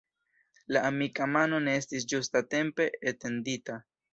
La amika mano ne estis ĝustatempe etendita.